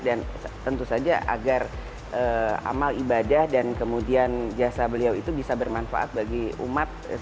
dan tentu saja agar amal ibadah dan kemudian jasa beliau itu bisa bermanfaat bagi umat